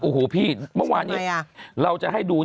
โอ้โหพี่เมื่อวานนี้เราจะให้ดู